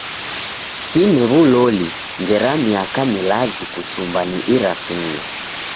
Sine w'uloli ngera miaka milazi kuchumba ni irasimio.